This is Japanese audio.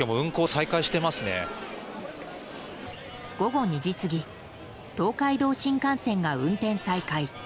午後２時過ぎ東海道新幹線が運転再開。